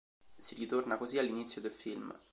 Si ritorna così all'inizio del film.